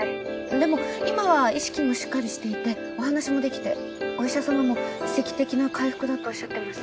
でも今は意識もしっかりしていてお話もできてお医者様も奇跡的な回復だとおっしゃってます。